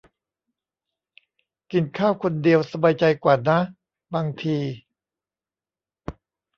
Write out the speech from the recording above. กินข้าวคนเดียวสบายใจกว่านะ บางที